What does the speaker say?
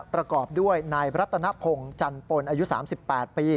ประกอบด้วยนายรัตนพงศ์จันปนอายุ๓๘ปี